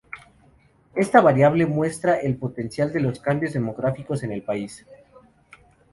Esta variable muestra el potencial de los cambios demográficos en el país.